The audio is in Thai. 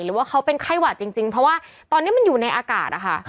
หรือว่าเขาเป็นไข้หวัดจริงเพราะว่าตอนนี้มันอยู่ในอากาศนะคะ